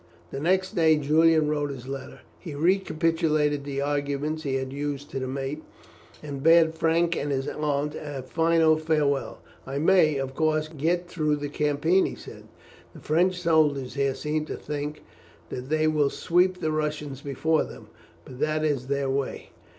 The next day Julian wrote his letter. He recapitulated the arguments he had used to the mate, and bade Frank and his aunt a final farewell. "I may, of course, get through the campaign," he said. "The French soldiers here seem to think that they will sweep the Russians before them, but that is their way.